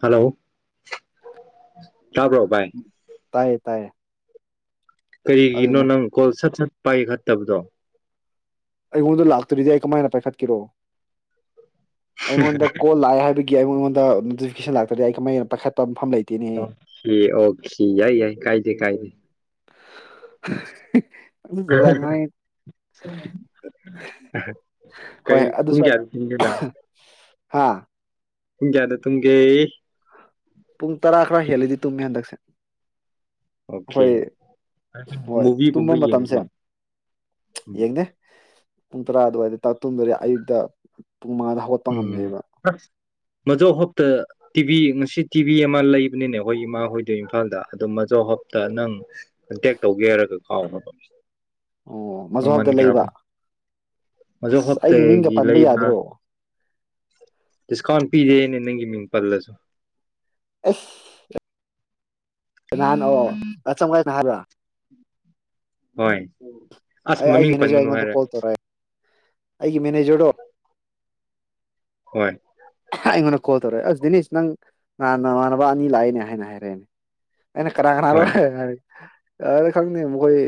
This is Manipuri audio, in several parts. ꯍꯜꯂꯣ ꯇꯥꯕ꯭ꯔꯣ ꯚꯥꯏ ꯇꯥꯏꯌꯦ ꯇꯥꯏꯌꯦ ꯀꯔꯤꯒꯤꯅꯣ ꯑꯗꯨꯅꯦ ꯅꯪ ꯀꯣꯜ ꯁꯠꯁꯠ ꯄꯥꯏꯈꯠꯇꯕꯗꯣ ꯑꯩꯉꯣꯟꯗ ꯂꯥꯛꯇ꯭ꯔꯤꯗꯤ ꯑꯩ ꯀꯃꯥꯏꯅ ꯄꯥꯏꯈꯠꯀꯦꯔꯣ ꯑꯩꯉꯣꯟꯗ ꯀꯣꯜ ꯂꯥꯛꯑꯦ ꯍꯥꯏꯕꯤ ꯒꯤ ꯑꯩꯉꯣꯟꯗ ꯅꯣꯇꯤꯐꯤꯀꯦꯁꯟ ꯂꯥꯛꯇꯗꯤ ꯑꯩ ꯀꯃꯥꯏꯅ ꯄꯥꯏꯈꯠꯄꯝ ꯑꯣꯈꯤ ꯑꯣꯈꯤ ꯌꯥꯏ ꯌꯥꯏ ꯀꯥꯏꯗꯦ ꯀꯥꯏꯗꯦ [unintelligible] ꯉꯥꯏ ꯍꯣꯏ ꯀꯩ ꯄꯨꯡ ꯑꯗꯨꯁꯨ ꯀꯌꯥꯗ ꯇꯨꯝꯒꯦꯅꯪ ꯍꯥ ꯄꯨꯡ ꯀꯌꯥꯗ ꯇꯨꯨꯝꯒꯦ ꯄꯨꯡ ꯇꯔꯥ ꯈꯔ ꯍꯦꯜꯂꯗꯤ ꯇꯨꯝꯃꯦ ꯍꯟꯗꯛꯁꯦ ꯑꯣꯀꯦ ꯈꯣꯏ ꯍꯣꯏ ꯇꯨꯝꯕ ꯃꯨꯚꯤꯒꯨꯝꯕ ꯃꯇꯝꯁꯦ ꯌꯦꯡꯕ꯭ꯔꯣ ꯌꯦꯡꯅꯦ ꯄꯨꯡ ꯇꯔꯥ ꯑꯗꯨꯋꯥꯏꯗ ꯇ ꯇꯨꯝꯕꯗꯤ ꯑꯌꯨꯛꯇ ꯄꯨꯡ ꯃꯉꯥꯗ ꯍꯧꯒꯠꯄ ꯉꯝꯗꯦꯕ ꯃꯖꯧ ꯍꯣꯞꯇ ꯇꯤꯚꯤ ꯉꯁꯤ ꯇꯤꯚꯤ ꯑꯃ ꯂꯩꯕꯅꯤꯅꯦ ꯑꯩꯈꯣꯏ ꯏꯃꯥ ꯍꯣꯏꯗꯣꯏ ꯏꯝꯐꯥꯜꯗ ꯑꯗꯣ ꯃꯖꯧ ꯍꯣꯞꯇ ꯅꯪ ꯀꯟꯇꯦꯛ ꯇꯧꯒꯦ ꯍꯥꯏꯔꯒ ꯍꯥꯎ ꯍꯣꯏ ꯍꯣꯏ ꯑꯣ ꯃꯖꯣꯍꯞꯇ ꯂꯩꯕ ꯃꯖꯣ ꯑꯁ ꯑꯩꯒꯤ ꯃꯤꯡꯒ ꯍꯣꯞꯇꯒꯤ ꯄꯟꯕ ꯂꯩꯕ꯭ꯔꯥ ꯌꯥꯗ꯭ꯔꯣ ꯗꯤꯁꯀꯥꯎꯟ ꯄꯤꯔꯦ ꯑꯅꯦ ꯅꯪꯒꯤ ꯃꯤꯡ ꯄꯜꯂꯁꯨ ꯑꯦꯁ ꯀꯥꯅꯅꯣ ꯆꯥꯡ ꯑꯠ ꯅꯥꯍꯔꯣ ꯍꯣꯏ ꯑꯁ ꯑꯩ ꯑꯩꯒꯤ ꯃꯃꯤꯡ ꯏꯅꯦꯁꯦ ꯄꯟꯒꯅꯨ ꯑꯩꯉꯣꯟꯗ ꯍꯥꯏꯔꯦ ꯀꯣꯜ ꯇꯧꯔꯛ ꯑꯦ ꯑꯩꯒꯤ ꯃꯦꯅꯦꯖꯔꯗꯣ ꯍꯣꯏ ꯑꯩꯉꯣꯟꯗ ꯀꯣꯜ ꯇꯧꯔꯛꯑꯦ ꯑꯁ ꯗꯤꯅꯤꯁ ꯅꯪ ꯅꯍꯥꯟ ꯅꯃꯥꯟꯅꯕ ꯑꯅꯤ ꯂꯥꯛꯏꯅꯦ ꯍꯥꯏꯅ ꯍꯥꯏꯔꯛꯑꯦꯅꯦ ꯑꯩꯅ ꯀꯥꯅꯒꯅꯣ ꯍꯣꯏ ꯍꯥꯢꯔꯛꯑꯣ ꯍꯥꯢ ꯑ ꯈꯪꯗꯦ ꯃꯈꯣꯏ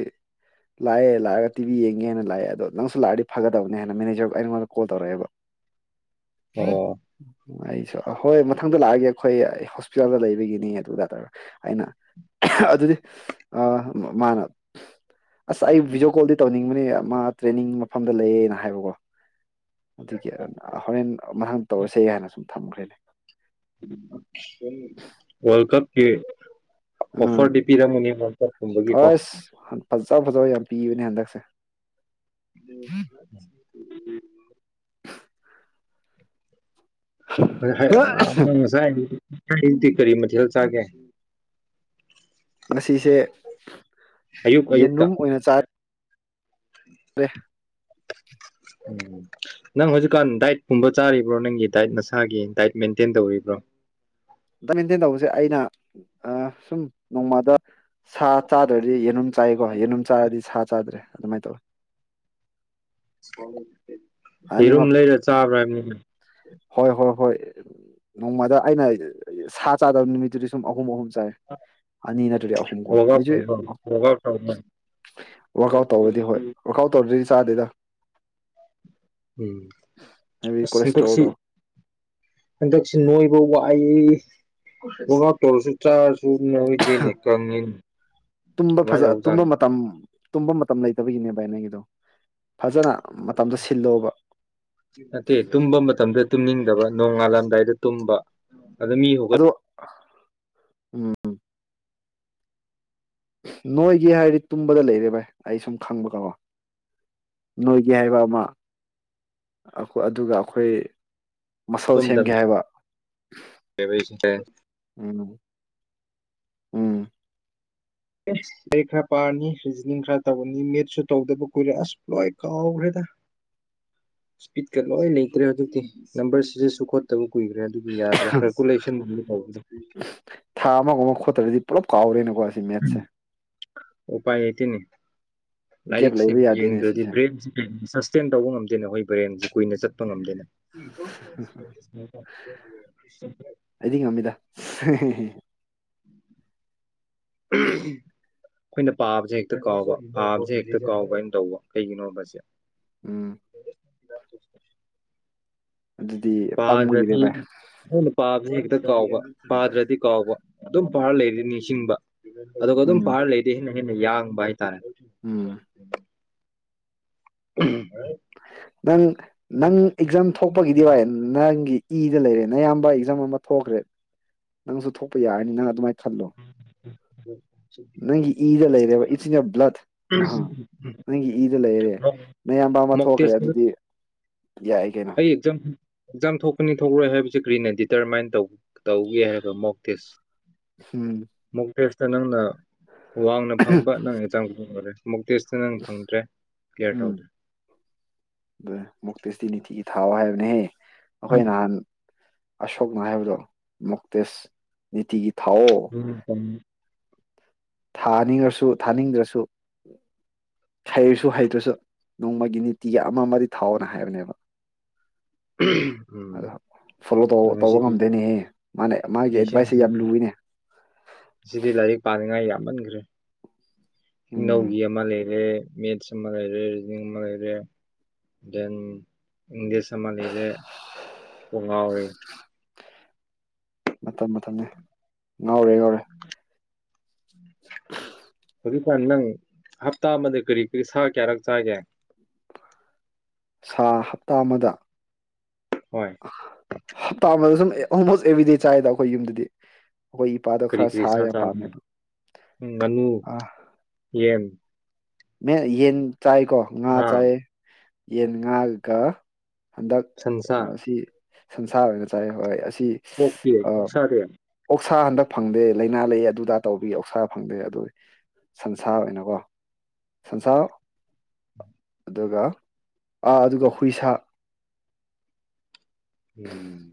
ꯂꯥꯛꯑꯦ ꯂꯥꯛꯑꯒ ꯇꯤꯚꯤ ꯌꯦꯡꯒꯦꯅ ꯂꯥꯛꯑꯦ ꯑꯗꯣ ꯅꯪꯁꯨ ꯂꯥꯛꯔꯒꯗꯤ ꯐꯒꯗꯕꯅꯦ ꯍꯥꯢꯅ ꯃꯦꯅꯦꯖꯔꯕꯨ ꯑꯩꯉꯣꯟꯗ ꯀꯣꯜ ꯇꯧꯔꯛ ꯑꯦꯕ ꯑꯣ ꯑꯩꯁꯨ ꯍꯣꯏ ꯃꯊꯪꯗ ꯂꯥꯛꯑꯒꯦ ꯑꯩꯈꯣꯏ ꯍꯣꯁꯄꯤꯇꯥꯜꯗ ꯂꯩꯕꯒꯤꯅꯤ ꯑꯗꯨ ꯗꯥꯛꯇꯔ ꯑꯩꯅ ꯑꯗꯨꯗꯤ ꯑ ꯃꯥꯅ ꯑꯁ ꯑꯩ ꯚꯤꯗꯤꯑꯣ ꯀꯣꯜꯗꯤ ꯇꯧꯅꯤꯡꯕꯅꯦ ꯃꯥ ꯇ꯭ꯔꯦꯟꯅꯤꯡ ꯃꯐꯝꯗ ꯂꯩꯌꯦꯅ ꯍꯥꯏꯕꯀꯣ ꯑꯗꯨꯒꯤ ꯍꯣꯔꯦꯟ ꯃꯍꯥꯛ ꯇꯧꯔꯁꯦ ꯍꯥꯏꯅ ꯁꯨꯝ ꯊꯝꯈ꯭ꯔꯦꯅꯦ ꯀꯦ ꯎꯝ ꯑꯣꯐꯔꯗꯤ ꯄꯤꯔꯝꯒꯦ ꯃꯆꯥꯇꯣꯝꯕꯒꯤ ꯀꯣ ꯑꯁ ꯐꯖ ꯐꯖꯕ ꯌꯥꯝ ꯄꯤꯕꯅꯦ ꯍꯟꯗꯛꯁꯦ [unintelligible] [inaudible] ꯀꯔꯤ ꯍꯥꯢ ꯍ ꯑ ꯑꯁꯥꯢꯒꯤꯗꯤ ꯅꯪꯗꯤ ꯀꯔꯤ ꯃꯊꯦꯜ ꯆꯥꯒꯦ ꯉꯁꯤꯁꯦ ꯑꯌꯨꯛ ꯑꯌꯨꯛꯇ ꯌꯦꯟꯔꯨꯝ ꯑꯣꯏꯅ ꯆꯥ [unintelligible] ꯎꯝ ꯅꯪ ꯍꯧꯖꯤꯛꯀꯥꯟ ꯗꯥꯏꯠꯀꯨꯝꯕ ꯆꯥꯔꯤꯕ꯭ꯔꯣ ꯅꯪꯒꯤ ꯗꯥꯏꯠ ꯅꯁꯥꯒꯤ ꯗꯥꯏꯠ ꯃꯦꯟꯇꯦꯟ ꯇꯧꯔꯤꯕ꯭ꯔꯣ ꯗ ꯃꯦꯟꯇꯦꯟ ꯇꯧꯕꯁꯦ ꯑꯩꯅ ꯁꯨꯝ ꯅꯣꯡꯃꯗ ꯁꯥ ꯆꯥꯗ꯭ꯔꯗꯤ ꯌꯦꯔꯨꯝ ꯆꯥꯏꯀꯣ ꯌꯦꯅꯨꯡ ꯆꯔꯗꯤ ꯁꯥ ꯆꯥꯗ꯭ꯔꯦ ꯑꯗꯨꯃꯥꯏꯅ ꯇꯧꯋꯦ [unintelligible] ꯌꯦꯔꯨꯝ ꯑꯅꯤꯃꯛ ꯂꯩꯔ ꯆꯥꯕ꯭ꯔ ꯍꯥꯏꯕꯅꯤ ꯎꯝ ꯍꯣꯏ ꯍꯣꯏ ꯍꯣꯏ ꯅꯣꯡꯃꯗ ꯑꯩꯅ ꯁꯥ ꯆꯥꯗꯕ ꯅꯨꯃꯤꯠꯇꯨꯗꯤ ꯁꯨꯝ ꯑꯍꯨꯝ ꯑꯍꯨꯝ ꯇꯥꯢ ꯑꯅꯤ ꯅꯠꯇ꯭ꯔꯗꯤ ꯑꯍꯨꯝ ꯀꯣ ꯋꯥꯛ ꯑꯥꯎꯠ ꯍꯧꯁꯨ ꯇꯧꯕ꯭ꯔꯣ ꯋꯥꯛ ꯑꯥꯎꯠ ꯇꯧꯕ꯭ꯔꯣ ꯋꯥꯔꯛ ꯑꯥꯎꯠ ꯇꯧꯔꯗꯤ ꯍꯣꯏ ꯋꯥꯔꯛ ꯑꯥꯎꯠ ꯇꯧꯔꯗꯤ ꯇꯥꯗꯦꯗ ꯎꯝ ꯍꯥꯏꯕꯗꯤ ꯑꯁ ꯍꯟꯗꯛꯁꯤ ꯀꯣꯂꯦꯁꯇ꯭ꯔꯣꯜꯗꯣ ꯍꯟꯗꯛꯁꯤ ꯅꯣꯏꯕ ꯋꯥꯏꯌꯦ ꯋꯥꯛ ꯑꯥꯎꯠ ꯇꯧꯔꯁꯨ ꯆꯥꯔꯁꯨ ꯅꯣꯏꯗꯦꯅꯦ ꯀꯪꯉꯤꯅꯤ ꯇꯨꯝꯕ ꯀꯃꯥꯏ ꯐꯖ ꯇꯨꯝꯕ ꯇꯧꯕꯖꯥꯠꯅꯣ ꯃꯇꯝ ꯇꯨꯝꯕ ꯃꯇꯝ ꯂꯩꯇꯕꯒꯤꯅꯦ ꯚꯥꯏ ꯅꯒꯤꯗꯣ ꯐꯖꯅ ꯃꯇꯝꯗꯣ ꯁꯤꯜꯂꯣꯕ ꯅꯠꯇꯦ ꯇꯨꯝꯕ ꯃꯇꯝꯗ ꯇꯨꯝꯅꯤꯡꯗꯕ ꯅꯣꯡꯉꯥꯜꯂꯝꯗꯥꯏꯗ ꯇꯨꯝꯕ ꯑꯗ ꯃꯤ ꯍꯧꯒꯠ ꯑꯗꯣ ꯎꯝ ꯅꯣꯏꯒꯦ ꯍꯥꯏꯔꯗꯤ ꯇꯨꯝꯕꯗ ꯂꯩꯔꯦ ꯚꯥꯏ ꯑꯩ ꯁꯨꯝ ꯈꯪꯕ ꯈꯔꯀꯣ ꯅꯣꯏꯒꯦ ꯍꯥꯏꯕ ꯑꯃ ꯑꯗꯨꯒ ꯑꯩꯈꯣꯏ ꯃꯁꯜ ꯁꯦꯝꯒꯦ ꯃꯇꯝꯗꯅꯦꯕ ꯍꯥꯏꯕ ꯑꯩꯁꯦ ꯎꯝ ꯎꯝ ꯑꯦꯁ ꯂꯥꯏꯔꯤꯛ ꯈꯔ ꯄꯥꯔꯅꯤ ꯔꯤꯖꯅꯤꯡ ꯈꯔ ꯇꯧꯔꯅꯤ ꯃꯦꯠꯁꯨ ꯇꯧꯗꯕ ꯀꯨꯏꯔꯦ ꯑꯁ ꯂꯣꯏ ꯀꯥꯎꯈ꯭ꯔꯦꯗ ꯕꯤꯠꯀ ꯂꯣꯏ ꯂꯩꯇ꯭ꯔꯦ ꯑꯗꯨꯗꯤ ꯅꯝꯕꯔ ꯁꯤꯗꯁꯨ ꯈꯣꯠꯇꯕ ꯀꯨꯏꯈ꯭ꯔꯦ ꯌꯥꯗ꯭ꯔꯦ ꯀꯜꯀꯨꯂꯦꯁꯟꯒꯨꯝꯕ ꯇꯧꯕꯗ ꯀꯥꯎꯔꯦꯅꯨ ꯎꯄꯥꯥꯏ ꯂꯩꯇꯦꯅꯦ ꯒꯦꯞ ꯂꯥꯏꯔꯤꯛꯁꯦ ꯂꯩꯕ ꯌꯥꯗꯦꯅꯦ ꯌꯦꯡꯗ꯭ꯔꯗꯤ ꯁꯤꯁꯦ ꯕ꯭ꯔꯦꯟꯁꯦ ꯁꯥꯁꯇꯦꯟ ꯇꯧꯕ ꯉꯝꯗꯦꯅꯦ ꯑꯩꯈꯣꯏ ꯕ꯭ꯔꯦꯟꯁꯦ ꯀꯨꯏꯅ ꯆꯠꯄ ꯉꯝꯗꯦꯅꯦ [unintelligible] ꯑꯩꯗꯤ ꯉꯝꯃꯤꯗ ꯑꯩꯈꯣꯏꯅ ꯄꯥꯕꯁꯦ ꯍꯦꯛꯇ ꯀꯥꯎꯕ ꯄꯥꯕꯁꯦ ꯍꯦꯛꯇ ꯀꯥꯎꯕ ꯍꯥꯏꯅ ꯇꯧꯕ ꯀꯩꯒꯤꯅꯣꯕꯁꯦ ꯎꯝ ꯑꯗꯨꯗꯤ ꯄꯪꯕꯒꯤꯅꯦ ꯄꯥꯗ꯭ꯔꯗꯤ ꯚꯥꯏ ꯍꯧꯅ ꯄꯥꯕꯖꯦ ꯍꯦꯛꯇ ꯀꯥꯎꯕ ꯄꯥꯗ꯭ꯔꯗꯤ ꯀꯥꯎꯕ ꯑꯗꯨꯝ ꯄꯥꯔ ꯂꯩꯔꯗꯤ ꯅꯤꯡꯁꯤꯡꯕ ꯑꯗꯨꯒ ꯑꯗꯨꯝ ꯎꯝ ꯄꯥꯔ ꯂꯩꯔꯗꯤ ꯍꯦꯟꯅ ꯥꯑꯩꯅ ꯌꯥꯡꯕ ꯍꯥꯏ ꯇꯥꯔꯦ ꯎꯝ [unintelligible] ꯅꯪ ꯅꯪ ꯑꯦꯛꯖꯥꯝ ꯊꯣꯛꯄꯒꯤꯗꯤ ꯋꯥꯏ ꯅꯪꯒꯤ ꯏꯗ ꯂꯩꯔꯦ ꯅꯌꯥꯝꯕ ꯑꯦꯛꯖꯥꯝ ꯑꯃ ꯊꯣꯛꯈ꯭ꯔꯦ ꯅꯪꯁꯨ ꯊꯣꯛꯄ ꯌꯥꯔꯅꯤ ꯅꯪ ꯑꯗꯨꯃꯥꯏ ꯈꯜꯂꯣ ꯅꯪꯒꯤ ꯏꯗ ꯂꯩꯔꯦꯕ ꯏꯠꯁ ꯏꯌꯣꯔ ꯕ꯭ꯂꯠ ꯅꯪꯒꯤ ꯏꯗ ꯂꯩꯔꯦ ꯅꯌꯥꯝꯕ ꯑꯃ ꯃꯣꯛ ꯊꯣꯛꯈ꯭ꯔꯦ ꯇꯦꯁ ꯑꯗꯨꯗꯤ ꯌꯥꯏ ꯀꯩꯅꯣ ꯑꯩ ꯑꯦꯛꯖꯝ ꯑꯦꯛꯖꯥꯝ ꯊꯣꯛꯀꯅꯤ ꯊꯣꯛꯔꯣꯏ ꯍꯥꯏꯕꯁꯦ ꯀꯔꯤꯅ ꯗꯤꯇꯔꯃꯥꯏꯅ ꯇꯧꯒꯦ ꯍꯥꯏꯔꯒ ꯃꯣꯛ ꯇꯦꯁ ꯎꯝ ꯑꯦꯄꯁꯇ ꯅꯪꯅ ꯋꯥꯡꯅ ꯐꯪꯕ ꯅꯪ ꯑꯦꯛꯖꯥꯝ ꯗꯨꯅꯦ ꯃꯣꯛ ꯇꯦꯁ ꯎꯝ ꯃꯣꯛꯇꯦꯁ ꯇꯤ ꯅꯤꯇꯤꯒꯤ ꯊꯥꯎꯑꯣ ꯍꯥꯏꯕꯅꯦꯍꯦ ꯑꯩꯈꯣꯢ ꯅꯍꯥꯟ ꯑꯁꯣꯛꯅ ꯍꯥꯏꯕꯗꯣ ꯃꯣꯛꯇꯦꯁ ꯅꯤꯇꯤꯒꯤ [unintelligible] ꯊꯥꯅꯤꯡꯔꯁꯨ ꯊꯥꯅꯤꯡꯗ꯭ꯔꯁꯨ ꯍꯔꯁꯨ ꯍꯩꯇ꯭ꯔꯁꯨ ꯅꯣꯡꯃꯒꯤ ꯅꯤꯇꯤꯒꯤ ꯑꯃ ꯑꯃꯗꯤ ꯊꯥꯎꯅ ꯍꯥꯏꯕꯅꯦꯕ ꯑꯗꯣ ꯐꯣꯂꯣ ꯇꯧ ꯇꯧꯕ ꯉꯁꯤꯗꯤ ꯉꯝꯗꯦꯅꯦꯍꯦ ꯃꯥꯅꯦ ꯃꯥꯒꯤ ꯑꯦꯗꯚꯥꯏꯁꯁꯦ ꯌꯥꯝ ꯂꯨꯋꯦꯅꯦ ꯑꯁꯤꯗꯤ ꯂꯥꯏꯔꯤꯛ ꯄꯥꯅꯤꯡꯉꯥꯏ ꯌꯥꯝ ꯌꯥꯝꯃꯟꯈ꯭ꯔꯦ ꯎꯝ ꯏꯅꯧꯒꯤ ꯑꯃ ꯂꯩꯔꯦ ꯃꯦꯠꯁ ꯑꯃ ꯂꯩꯔꯦ ꯔꯤꯖꯅꯤꯡ ꯑꯃ ꯂꯩꯔꯦ ꯗꯦꯟ ꯏꯪꯂꯤꯁ ꯑꯃ ꯂꯩꯔꯦ ꯀꯣꯛ ꯉꯥꯎꯔꯦ ꯃꯇꯝ ꯃꯇꯝꯅꯦ ꯉꯥꯎꯔꯦ ꯉꯥꯎꯔꯦ [inaudible] ꯍꯧꯖꯤꯛꯀꯥꯟ ꯅꯪ ꯍꯞꯇꯥ ꯑꯃꯗ ꯀꯔꯤ ꯀꯔꯤ ꯁꯥ ꯀꯌꯥꯔꯛ ꯆꯥꯒꯦ ꯁꯥ ꯍꯞꯇꯥ ꯑꯃꯗ ꯍꯣꯏ ꯍꯞꯇꯥ ꯑꯝꯃꯥꯗ ꯁꯨꯝ ꯑꯣꯜꯃꯣꯁ ꯑꯦꯕ꯭ꯔꯤꯗꯦ ꯆꯥꯏꯗ ꯑꯩꯈꯣꯏ ꯌꯨꯝꯗꯗꯤ ꯑꯩꯈꯣꯏ ꯏꯄꯥꯗꯣ ꯀꯔꯤ ꯈꯔ ꯀꯔꯤ ꯁꯥ ꯁ ꯌꯥꯝ ꯆꯥꯕꯅꯣ ꯄꯥꯝꯃꯦꯕ ꯉꯥꯅꯨ ꯌꯦꯟ ꯃꯦꯠ ꯌꯦꯟ ꯆꯥꯏ ꯀꯣ ꯉꯥ ꯆꯥꯏ ꯌꯦꯟ ꯉꯥ ꯒ ꯍꯟꯗꯛ ꯁꯟꯁꯥ ꯑꯁꯤ ꯁꯟꯁꯥꯒ ꯆꯥꯏ ꯍꯣꯏ ꯑꯁꯤ ꯑꯣꯀꯤ ꯑ, ꯑꯣꯛꯁꯥꯗꯦ ꯑꯣꯛꯁꯥ ꯍꯟꯗꯛ ꯐꯪꯗꯦ ꯂꯩꯏꯅꯥ ꯂꯩꯌꯦ ꯑꯗꯨꯗꯥ ꯇꯧꯕꯒꯤ ꯑꯣꯛꯁꯥ ꯐꯪꯗꯦ ꯑꯗꯨ ꯁꯟꯁꯥ ꯑꯣꯏꯅꯀꯣ ꯁꯟꯁꯥ ꯑꯗꯨꯒ ꯑꯥ ꯑꯗꯨꯒ ꯍꯨꯏꯁꯥ ꯎꯝ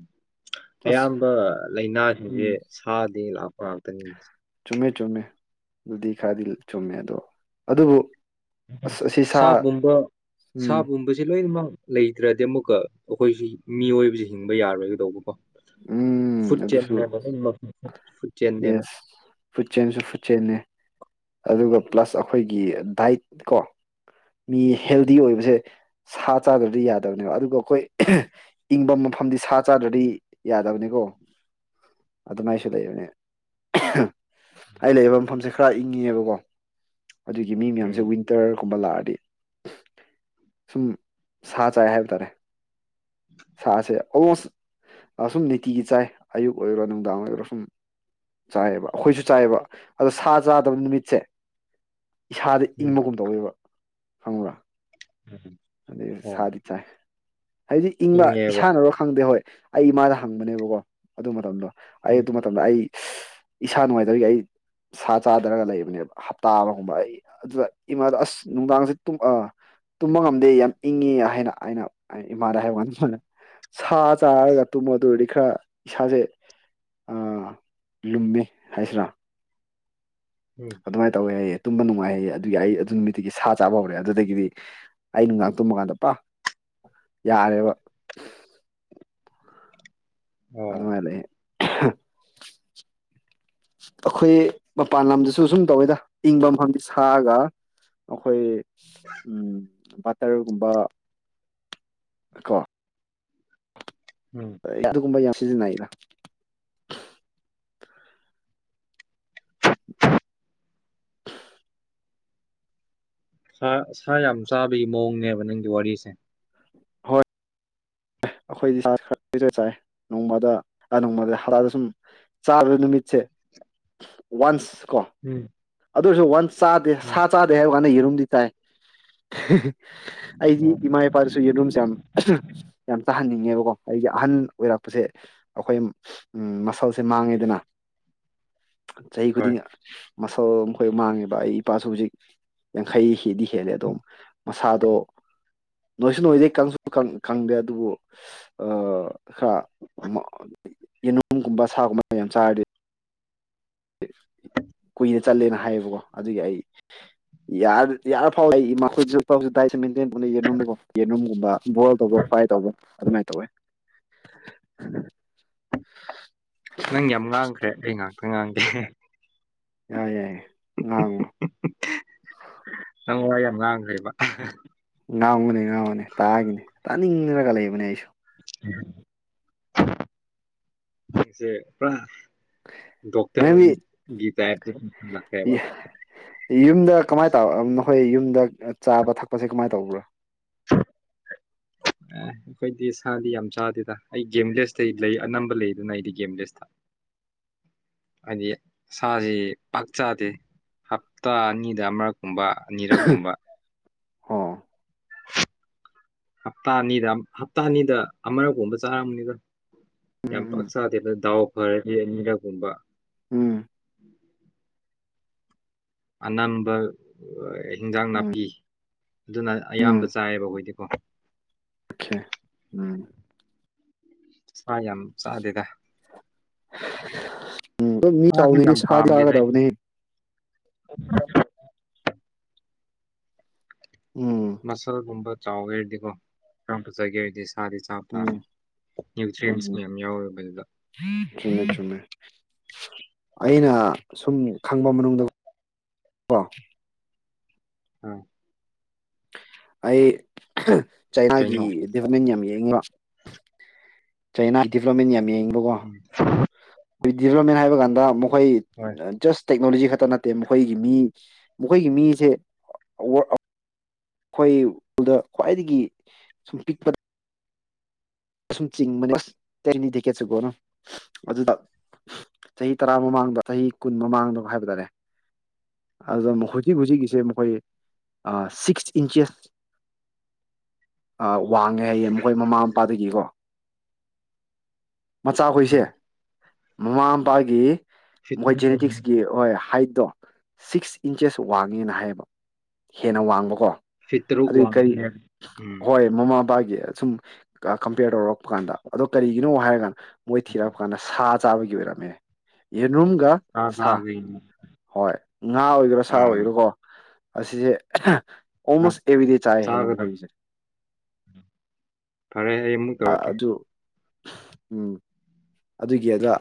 ꯑꯁ ꯑꯌꯥꯝꯕ ꯂꯩꯏꯅꯥ ꯏꯍꯦ ꯎꯝ ꯁꯥꯠ ꯃꯤ ꯂꯥꯛꯄ ꯉꯥꯛꯇꯅꯤꯅꯦ ꯆꯨꯝꯃꯦ ꯆꯨꯝꯃꯦ ꯑꯗꯨꯗꯤ ꯈꯔꯗꯤ ꯆꯨꯝꯃꯦ ꯑꯗꯣ ꯑꯗꯨꯕꯨ ꯑꯁ ꯑꯁꯤ ꯁꯥ ꯄꯨꯝꯕ ꯁꯥ ꯎꯝ ꯄꯨꯝꯕꯁꯦ ꯂꯣꯏꯅꯃꯛ ꯂꯩꯇ꯭ꯔꯗꯤ ꯑꯃꯨꯛꯀ ꯑꯩꯈꯣꯏꯁꯤ ꯃꯤꯑꯣꯏꯕꯁꯤ ꯍꯤꯡꯕ ꯌꯥꯔꯣꯏꯒꯗꯧꯕꯀꯣ ꯎꯝ ꯐꯨꯗ ꯑꯗꯨꯁꯨ ꯆꯦꯟꯅꯦꯕ ꯂꯣꯏꯅꯃꯛ ꯐꯨꯗ ꯆꯦꯟꯅꯦꯕ ꯌꯦꯁ ꯐꯨꯠꯆꯦꯟꯁꯨ ꯐꯨꯠꯆꯦꯟꯅꯦ ꯑꯗꯨꯒ ꯄ꯭ꯂꯁ ꯑꯩꯈꯣꯏꯒꯤ ꯗꯥꯏꯠ ꯀꯣ ꯃꯤ ꯍꯦꯜꯗꯤ ꯎꯝ ꯑꯣꯏꯕꯁꯦ ꯁꯥ ꯆꯥꯗ꯭ꯔꯗꯤ ꯌꯥꯗꯕꯅꯦꯕ ꯑꯗꯨꯒ ꯑꯈꯣꯏ ꯏꯪꯕ ꯃꯐꯝꯗꯤ ꯁꯥ ꯆꯥꯗ꯭ꯔꯗꯤ ꯌꯥꯗꯕꯅꯤꯀꯣ ꯑꯗꯨꯃꯥꯏꯁꯨ ꯂꯩꯕꯅꯦ ꯑꯩ ꯂꯩꯕ ꯃꯐꯝꯁꯦ ꯈꯔ ꯏꯪꯉꯤꯕꯀꯣ ꯑꯗꯨꯒꯤ ꯃꯤ ꯃꯌꯥꯝꯁꯦ ꯎꯝ ꯋꯤꯟꯇꯔ ꯀꯨꯝꯕ ꯂꯥꯛꯑꯗꯤ ꯁꯨꯝ ꯁꯥ ꯆꯥꯏ ꯍꯥꯏꯕ ꯇꯥꯔꯦ ꯁꯥꯁꯦ ꯑꯣꯜꯃꯣꯁ ꯁꯨꯝ ꯅꯤꯇꯤꯒꯤ ꯆꯥꯏ ꯑꯌꯨꯛ ꯑꯣꯏꯔꯣ ꯅꯨꯡꯗꯥꯡ ꯑꯣꯏꯔꯣ ꯁꯨꯝ ꯆꯥꯏꯌꯦꯕ ꯑꯩꯈꯣꯏꯁꯨ ꯆꯥꯏꯌꯦꯕ ꯑꯗꯣ ꯁꯥ ꯆꯥꯗꯕ ꯅꯨꯃꯤꯠꯁꯦ ꯏꯁꯥꯗ ꯎꯝ ꯏꯪꯕꯒꯨꯝ ꯇꯧꯋꯦꯕ ꯈꯪꯕꯔ ꯎꯝ ꯑꯗꯨꯏ ꯑꯣ ꯁꯥꯗꯤ ꯆꯥꯏ ꯍꯥꯏꯗꯤ ꯏꯪꯕ ꯏꯪꯉꯦꯕ ꯏꯁꯥꯅꯔꯣ ꯈꯪꯗꯦ ꯍꯣꯏ ꯑꯩ ꯏꯃꯥꯗ ꯍꯪꯕꯅꯦꯕꯀꯣ ꯑꯗꯨ ꯃꯇꯝꯗꯣ ꯑꯩ ꯎꯝ ꯑꯗꯨ ꯃꯇꯝꯗ ꯑꯩ ꯏꯁꯥ ꯅꯨꯡꯉꯥꯏꯇꯕꯒꯤ ꯑꯩ ꯁꯥ ꯆꯥꯗꯔꯅ ꯂꯩꯕꯅꯦꯕ ꯍꯞꯇꯥ ꯑꯃꯒꯨꯝꯕ ꯑꯩ ꯑꯗꯨꯗ ꯏꯃꯥꯗ ꯑꯁ ꯅꯨꯡꯗꯥꯡꯁꯦ ꯑ ꯇꯨꯝꯕ ꯑꯥ ꯇꯨꯝꯕ ꯉꯝ ꯑꯦ ꯌꯥꯝ ꯏꯪꯉꯦ ꯍꯥꯏꯅ ꯑꯩꯅ ꯏꯃꯥꯗ ꯍꯥꯏꯕꯀꯥꯟ ꯏꯃꯥꯅ ꯁꯥ ꯆꯥꯔꯒ ꯇꯨꯝꯃꯣ ꯑꯗꯨꯒꯗꯤ ꯈꯔ ꯏꯁꯥꯁꯦ ꯑꯥ ꯂꯨꯝꯃꯦ ꯍꯥꯏꯁꯤꯔꯥ ꯎꯝ ꯑꯗꯨꯃꯥꯏ ꯇꯧꯋꯦ ꯍꯥꯏꯌꯦ ꯇꯨꯝꯕ ꯅꯨꯡꯉꯥꯏꯍꯩꯌꯦ ꯑꯗꯨꯒꯤ ꯑꯩ ꯑꯗꯨ ꯅꯨꯃꯤꯠꯇꯒꯤ ꯁꯥ ꯆꯥꯕ ꯍꯧꯔꯦ ꯑꯗꯨꯗꯒꯤꯗꯤ ꯑꯩ ꯅꯨꯡꯗꯥꯡ ꯇꯨꯝꯕ ꯀꯥꯟꯗ ꯄ ꯌꯥꯔꯦꯕ ꯑꯣ ꯑꯗꯨꯃꯥꯏ ꯂꯩꯌꯦ ꯑꯈꯣꯏ ꯃꯄꯥꯟ ꯂꯝꯗꯁꯨ ꯁꯨꯝ ꯇꯧꯋꯦꯗ ꯏꯪꯕ ꯃꯐꯝꯗꯤ ꯁꯥꯒ ꯑꯈꯣꯏ ꯎꯝ ꯕ ꯇ꯭ꯔꯒꯨꯝꯕ ꯀꯣ ꯎꯝ ꯑꯗꯨꯒꯨꯝꯕ ꯌꯥꯝ ꯁꯤꯖꯤꯟꯅꯩꯂ ꯁꯥ ꯁꯥ ꯌꯥꯝ ꯆꯥꯕꯒꯤ ꯃꯑꯣꯡꯅꯦꯕ ꯅꯪꯒꯤ ꯋꯥꯔꯤꯁꯦ ꯍꯣꯏ ꯑꯈꯣꯏꯗꯤ ꯁꯥꯁꯤ ꯈꯔ ꯇꯣꯏꯖꯔ ꯆꯥꯏ ꯅꯣꯡꯃꯗ ꯅꯣꯡꯃꯗ ꯍꯞꯗꯥꯗ ꯁꯨꯝ ꯆꯥꯕ ꯅꯨꯃꯤꯠꯁꯦ ꯋꯥꯟꯁ ꯀꯣ ꯎꯝ ꯑꯗꯨ ꯑꯣꯏꯁꯨ ꯋꯥꯟꯁ ꯆꯥꯗꯦ ꯎꯝ ꯁꯥ ꯆꯥꯗꯦ ꯍꯥꯏꯕ ꯃꯅ ꯌꯦꯔꯨꯝꯗꯤ ꯇꯥꯏ ꯑꯩꯗꯤ ꯑꯣ ꯏꯃꯥ ꯏꯄꯥꯗꯨꯁꯨ ꯌꯦꯔꯨꯝꯁꯦ ꯌꯥꯝ ꯌꯥꯝ ꯆꯥꯍꯟꯅꯤꯡꯉꯦꯕꯀꯣ ꯑꯩꯒꯤ ꯑꯍꯟ ꯑꯣꯏꯔꯛꯄꯁꯦ ꯑꯩꯈꯣꯏ ꯃꯁꯜꯁꯦ ꯃꯥꯡꯉꯦꯗꯅ ꯆꯍꯤ ꯍꯣꯏ ꯈꯨꯗꯤꯡ ꯃꯁꯜ ꯃꯥꯈꯣꯏ ꯃꯥꯡꯉꯦꯕ ꯑꯩ ꯏꯄꯥꯁꯨ ꯍꯧꯖꯤꯛ ꯌꯥꯡꯈꯩ ꯍꯤꯗꯤ ꯈꯦꯂꯦ ꯑꯗꯣꯝ ꯃꯁꯥꯗꯣ ꯅꯣꯏꯁꯨ ꯅꯣꯏꯗꯦ ꯀꯪꯁꯨ ꯀꯪ ꯀꯪꯗꯦ ꯑꯗꯨꯕꯨ ꯑ ꯈꯔꯥ ꯃꯥ ꯌꯦꯟꯅꯨꯡꯒꯨꯝꯕ ꯁꯥꯒꯨꯝꯕ ꯌꯥꯝ ꯆꯥꯔꯗꯤ [unintelligible] ꯀꯨꯏꯅ ꯆꯠꯂꯦꯅ ꯍꯥꯏꯌꯦꯕꯀꯣ ꯑꯗꯨꯒꯤ ꯑꯩ ꯌꯥꯔ ꯗꯤ ꯌꯥꯔ ꯐꯥꯎ ꯑꯩ ꯢꯃꯥ ꯈꯣꯏ ꯆꯠꯐꯧꯁꯨ ꯇꯥꯢ [unintelligible] ꯕ ꯕꯣꯜ ꯇꯧꯕ ꯐ꯭ꯔꯥꯢ ꯇꯧꯕ ꯑꯗꯨꯃꯥꯏ ꯇꯧꯋꯦ [inaudible] ꯅꯪ ꯌꯥꯝ ꯉꯥꯡꯈ꯭ꯔꯦ ꯑꯩ ꯉꯥꯡ ꯉꯥꯡꯒꯦ ꯌꯥꯏ ꯌꯥꯏ ꯉꯥꯡꯉꯣ ꯅꯪ ꯋꯥ ꯌꯥꯝ ꯉꯥꯡꯈ꯭ꯔꯦꯕ ꯉꯥꯡꯉꯣꯅꯦ ꯉꯥꯡꯉꯣꯅꯦ ꯇꯥꯒꯦꯅꯦ ꯇꯥꯅꯤꯡꯔꯒ ꯂꯩꯕꯅꯦ ꯑꯩꯁꯨ ꯅꯪꯁꯦ ꯄ꯭ꯔ ꯗꯣꯛꯇꯔ ꯅꯪꯗꯤ ꯒꯤ ꯇꯥꯢꯞ ꯎꯝ ꯂꯥꯛꯑꯦꯕ ꯌꯨꯝꯗ ꯀꯃꯥꯏ ꯇꯧ ꯅꯈꯣꯏ ꯌꯨꯝꯗ ꯆꯥꯕ ꯊꯛꯄꯁꯦ ꯀꯃꯥꯏꯅ ꯇꯧꯕ꯭ꯔꯥ ꯑꯦ ꯑꯩꯈꯣꯏꯗꯤ ꯁꯥꯗꯤ ꯌꯥꯝ ꯆꯥꯗꯦꯗ ꯑꯩ ꯒꯦꯝꯕꯤꯂꯦꯁꯇꯩ ꯂꯩ ꯑꯅꯝꯕ ꯂꯩꯗꯅ ꯑꯩꯗꯤ ꯒꯦꯝꯕꯤꯂꯦꯁꯇ ꯍꯥꯏꯗꯤ ꯁꯥꯁꯤ ꯄꯥꯛ ꯆꯥꯗꯦ ꯍꯞꯇꯥ ꯑꯅꯤꯗ ꯑꯃꯔꯛ ꯨꯒꯨꯝꯕ ꯑꯅꯤꯔꯛꯀꯨꯝꯕ ꯍꯥ ꯍꯞꯇꯥ ꯑꯅꯤꯗ ꯍꯞꯇꯥ ꯑꯅꯤꯗ ꯑꯃꯔꯛꯒꯨꯝꯕ ꯆꯥꯔꯝꯕꯅꯤꯗꯥ ꯌꯥꯝ ꯄꯥꯛ ꯎꯝ ꯆꯥꯗꯦ ꯗꯥꯎ ꯐꯔꯗꯤ ꯑꯅꯤꯔꯛꯒꯨꯝꯕ [inaudible] ꯎꯝ ꯑꯅꯝꯕ ꯑꯣꯢ ꯏꯟꯖꯥꯡ ꯎꯝ ꯅꯥꯄꯤ ꯑꯗꯨꯅ ꯑꯌꯥꯝꯕ ꯆꯥꯏꯌꯦꯕ ꯑꯣꯈꯣꯏꯗꯤ ꯀꯣ ꯑꯣꯛꯈꯦ ꯎꯝ ꯁꯥ ꯌꯥꯝ ꯆꯥꯗꯦꯗ ꯎꯝ ꯃꯤ ꯁꯥꯁꯨ ꯆꯥꯎꯅꯤꯗꯤ ꯌꯥꯝ ꯁꯥ ꯄꯥꯝꯗꯦꯗ ꯑꯩꯗꯤ ꯆꯥꯒꯗꯕꯅꯦ ꯎꯝ ꯃꯁꯜ ꯒꯨꯝꯕ ꯆꯩꯋꯦ ꯍꯥꯏꯔꯗꯤꯀꯣ ꯌꯥꯝ ꯐꯖꯥꯒꯦ ꯍꯥꯏꯗꯤ ꯎꯝ ꯎꯝ ꯃꯌꯥꯝ ꯌꯥꯎꯋꯦꯕ ꯑꯗꯨꯗ ꯆꯨꯝꯃꯦ ꯆꯨꯝꯃꯦ ꯑꯩꯅ ꯁꯨꯝꯅꯤ ꯈꯪꯕ ꯃꯅꯨꯡꯗ ꯀꯣ ꯑꯝ ꯑꯩ ꯑꯍ ꯆꯩꯅꯥꯒꯤ ꯀꯩꯅꯣ ꯗꯤꯚꯥꯞꯃꯦꯟ ꯌꯥꯝ ꯌꯦꯡꯕ ꯆꯩꯅꯥ ꯗꯤꯚꯥꯞꯃꯦꯟ ꯌꯥꯝꯃꯦ ꯎꯝ ꯕꯤ ꯗꯤꯚꯥꯞꯃꯦꯟ ꯍꯥꯏꯕ ꯀꯥꯟꯗ ꯑꯃꯨꯛ ꯍꯣꯏ ꯖꯁꯠ ꯇꯦꯛꯅꯣꯂꯣꯖꯤ ꯈꯛꯇ ꯅꯠꯇꯦ ꯃꯈꯣꯏꯒꯤ ꯃꯤ ꯃꯈꯣꯏꯒꯤ ꯃꯤꯁꯦ ꯋꯥꯛ ꯑꯩꯈꯣꯏꯗ ꯈ꯭ꯋꯥꯏꯗꯒꯤ ꯁꯨꯝ ꯄꯤꯛꯄꯗ ꯁꯨꯝ ꯆꯤꯡꯕꯅꯦ ꯑꯁ ꯇꯦꯛꯅꯤ ꯇꯤꯀꯦꯠꯁꯨꯀꯣꯅ ꯑꯗꯨꯗ ꯆꯍꯤ ꯇꯔꯥ ꯃꯃꯥꯡꯗ ꯆꯍꯤ ꯀꯨꯟ ꯃꯃꯥꯡꯗ ꯍꯥꯏꯕ ꯇꯥꯔꯦ ꯑꯗꯨ ꯃꯥꯈꯣꯢꯒꯤ ꯍꯧꯖꯤꯛ ꯍꯧꯖꯤꯛꯀꯤꯁꯦ ꯃꯈꯣꯏ ꯁꯤꯛꯁ ꯏꯟꯆꯦꯁ ꯑ ꯋꯥꯡꯉꯦ ꯍꯥꯏꯌꯦ ꯃꯈꯣꯏ ꯃꯃꯥ ꯃꯄꯥ [inaudible] ꯃꯆꯥ ꯈꯣꯏꯁꯦ ꯎꯝ ꯃꯃꯥ ꯃꯄꯥꯒꯤ ꯃꯈꯣꯏ ꯖꯦꯅꯦꯇꯤꯛꯁꯀꯤ ꯍꯣꯏ ꯍꯥꯏꯠ ꯗꯣ ꯁꯤꯛꯁ ꯏꯟꯆꯦꯁ ꯋꯥꯡꯉꯦꯅ ꯍꯥꯏꯌꯦꯕ ꯍꯦꯟꯅ ꯋꯥꯡꯕꯀꯣ ꯐꯤꯠ ꯇꯔꯨꯛ ꯑꯗꯨꯏ ꯀꯔꯤ ꯋꯥꯡꯉꯦ ꯎꯝ ꯍꯣꯏ ꯃꯃꯥ ꯃꯄꯥ ꯌꯦ ꯑꯁꯨꯝ ꯀꯥ ꯀꯝꯄꯦꯌ꯭ꯔ ꯇꯧꯔꯛꯄ ꯀꯥꯟꯗ ꯑꯗꯣ ꯀꯔꯤꯒꯤꯅꯣ ꯍꯥꯏꯔꯒ ꯃꯣꯏ ꯊꯤꯔꯛꯄ ꯀꯥꯟꯗ ꯁꯥ ꯆꯥꯕꯒꯤ ꯑꯣꯏꯔꯃꯦ ꯌꯦꯟ ꯁꯥ ꯆꯥꯕꯩꯅꯦ ꯍꯣꯏ ꯉꯥ ꯑꯣꯏꯒꯦꯔꯥ ꯁꯥ ꯑꯣꯏꯒꯦꯔꯣ ꯀꯣ ꯑꯁꯤꯁꯦ ꯈꯥ ꯑꯣꯜꯃꯣꯁ ꯑꯦꯕ꯭ꯔꯤꯗꯦ ꯆꯥꯏ ꯍꯦ ꯆꯥꯒꯗꯕꯅꯤ ꯃꯈꯣꯢꯒꯤꯁꯦ ꯐꯔꯦ ꯑꯩ ꯑꯃꯨꯛ ꯇꯧꯔꯛꯀꯦ ꯎꯝ ꯑꯗꯨꯒꯤ ꯑꯗ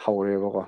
ꯍꯧꯔꯦꯕꯀꯣ